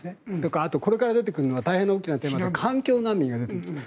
あと、これから出てくるのは大変大きなテーマで環境難民が出てくる。